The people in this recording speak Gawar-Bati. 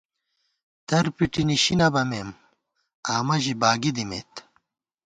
در پِٹی نِشی نہ بَمېم، آمہ ژی باگی دِمېت